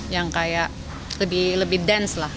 yang kayak lebih dance lah